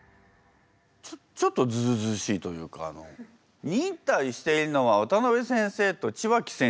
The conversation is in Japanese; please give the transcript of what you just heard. ちょっとずうずうしいというかあの忍耐しているのは渡部先生と血脇先生じゃないんですか？